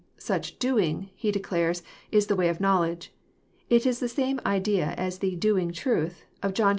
Such " doing " He declares i^the way to knowledge. It is the same idea as the '' doing trul£^ of John ill.